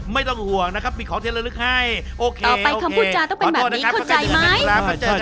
ไม่ต้องห่วงนะครับมีของที่ระลึกให้โอเคต่อไปคำพูดจาต้องเป็นแบบนี้เข้าใจไหม